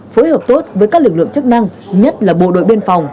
phối hợp tốt với các lực lượng chức năng nhất là bộ đội biên phòng